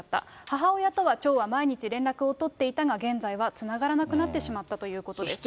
母親とは町は毎日連絡を取っていたが、現在はつながらなくなってしまったということです。